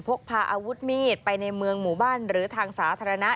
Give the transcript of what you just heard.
พกพาอาวุธมีดไปในเมืองหมู่บ้านหรือทางสาธารณะ